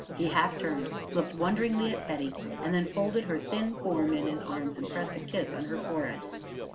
He half turned, looked wonderingly at Hetty, and then folded her thin form in his arms and pressed a kiss on her forehead.